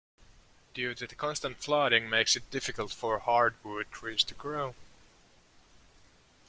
Due to the constant flooding makes it difficult for hardwood trees to grow.